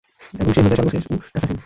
এবং সে হয়ে যায় সর্বশেষ উ অ্যাসাসিন।